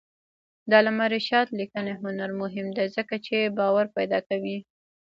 د علامه رشاد لیکنی هنر مهم دی ځکه چې باور پیدا کوي.